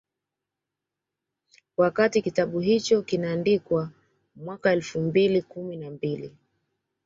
Wakati kitabu hicho kinaandikwa mwaka elfu mbili kumi na mbili